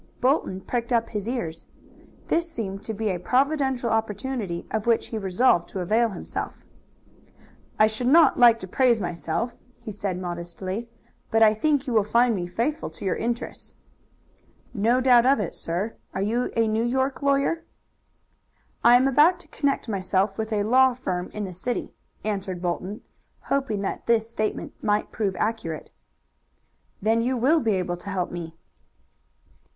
Bolton pricked up his ears. This seemed to be a providential opportunity, of which he resolved to avail himself. "I should not like to praise myself," he said modestly, "but I think you will find me faithful to your interests." "No doubt of it, sir. Are you a New York lawyer?" "I am about to connect myself with a law firm in the city," answered Bolton, hoping that this statement might prove accurate. "Then you will be able to help me."